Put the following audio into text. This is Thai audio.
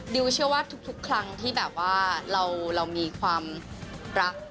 เชื่อว่าทุกครั้งที่แบบว่าเรามีความรัก